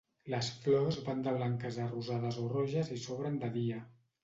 Les flors van de blanques a rosades o roges i s'obren de dia.